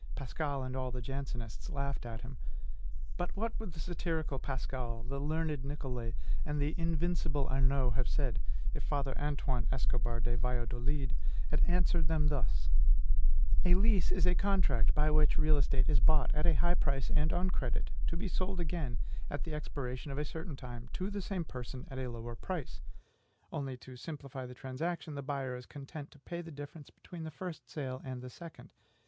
Pascal and all the Jansenists laughed at him. But what would the satirical Pascal, the learned Nicole, and the invincible Arnaud have said, if Father Antoine Escobar de Valladolid had answered them thus: "A lease is a contract by which real estate is bought, at a high price and on credit, to be again sold, at the expiration of a certain time, to the same person, at a lower price; only, to simplify the transaction, the buyer is content to pay the difference between the first sale and the second.